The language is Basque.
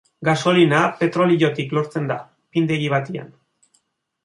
Gasolina petroliotik lortzen da findegi batean.